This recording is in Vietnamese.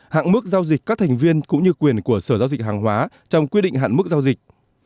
hạn mức giao dịch các thành viên cũng như quyền của sở giao dịch hàng hóa trong quy định hạn mức giao dịch